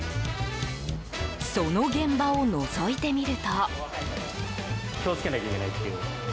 その現場をのぞいてみると。